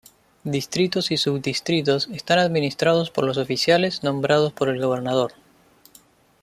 Distritos y subdistritos están administrados por los oficiales nombrados por el gobernador.